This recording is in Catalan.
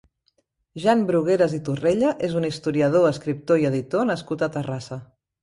Jan Brugueras i Torrella és un historiador, escriptor i editor nascut a Terrassa.